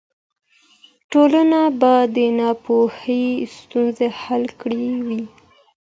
ټولنه به د ناپوهۍ ستونزې حل کړې وي.